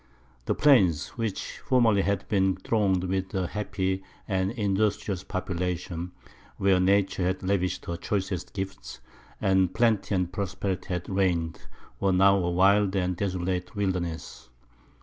The plains, which formerly had been thronged with a happy and industrious population, where nature had lavished her choicest gifts, and plenty and prosperity had reigned, were now a wild and desolate wilderness.